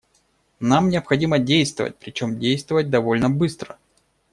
Нам необходимо действовать, причем действовать довольно быстро.